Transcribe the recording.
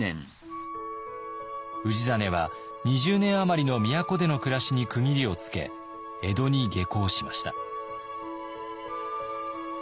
氏真は２０年余りの都での暮らしに区切りをつけ江戸に下向しました。